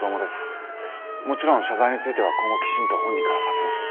もちろん謝罪については今後きちんと本人からさせます。